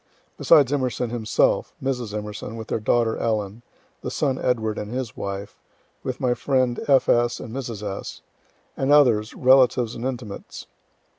Besides Emerson himself, Mrs. E., with their daughter Ellen, the son Edward and his wife, with my friend F. S. and Mrs. S., and others, relatives and intimates.